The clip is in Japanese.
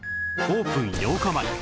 オープン８日前